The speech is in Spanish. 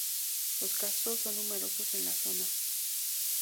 Los castros son numerosos en la zona.